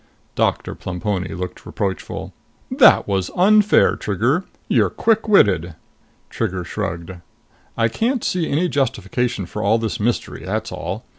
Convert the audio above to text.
Doctor Plemponi looked reproachful. "That was unfair, Trigger! You're quick witted." Trigger shrugged. "I can't see any justification for all this mystery, that's all."